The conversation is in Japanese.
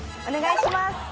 お願いします。